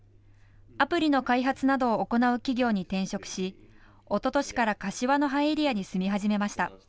アプリの開発などを行う企業に転職しおととしから柏の葉エリアに住み始めました。